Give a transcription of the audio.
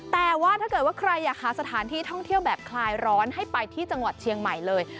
แต่ว่าถ้าเกิดว่าใครอยากหาสถานที่ท่องเที่ยวแบบคลายร้อนให้ไปที่จังหวัดเชียงใหม่เลย